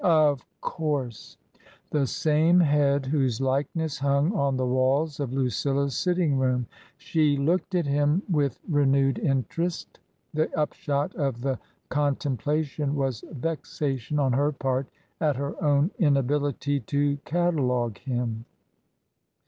Of course ! The same head whose likeness hung on the walls of Lucilla's sitting room. She looked at him with renewed interest. The upshot of the contempla tion was vexation on her part at her own inability to catalogue him.